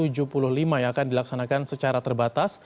yang akan dilaksanakan secara terbatas